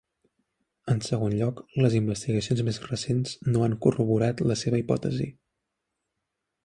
En segon lloc, les investigacions més recents no han corroborat la seva hipòtesi.